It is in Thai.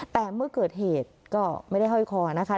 แต่เมื่อเกิดเหตุก็ไม่ได้ห้อยคอนะคะ